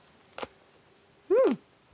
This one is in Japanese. うん！